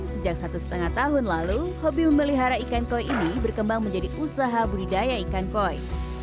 sejak satu setengah tahun lalu hobi memelihara ikan koi ini berkembang menjadi usaha budidaya ikan koi